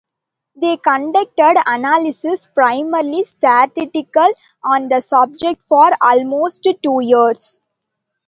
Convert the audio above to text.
They conducted analysis, primarily statistical, on the subject for almost two years.